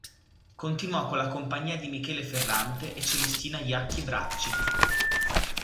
Continuò con la Compagnia di Michele Ferrante e Celestina Jacchi-Bracci.